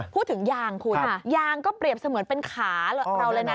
พูดถึงยางคุณยางก็เปรียบเสมือนเป็นขาเราเลยนะ